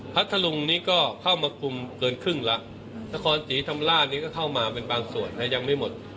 พัทธรุงนี้ก็เข้ามาคุมเกินครึ่งแล้วนครศรีธรรมราชนี้ก็เข้ามาเป็นบางส่วนนะยังไม่หมด